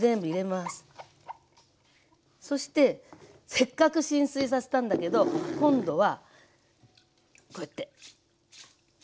そしてせっかく浸水させたんだけど今度はこうやってきるの。